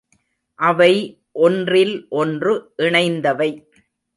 அவை ஒன்றில் ஒன்று இணைந்தவை.